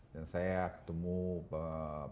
dan saya ketemu presiden itu